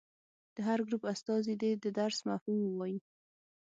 د هر ګروپ استازي دې د درس مفهوم ووايي.